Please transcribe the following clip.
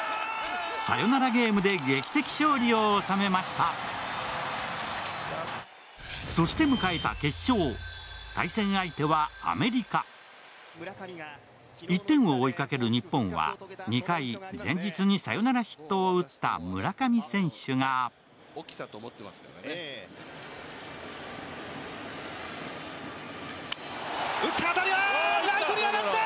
サヨナラゲームで劇的勝利を収めましたそして迎えた決勝対戦相手はアメリカ１点を追いかける日本は２回前日にサヨナラヒットを打った村上選手が打った当たりはライトに上がった！